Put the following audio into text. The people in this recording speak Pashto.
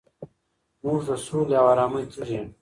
موږ د سولې او ارامۍ تږي یو.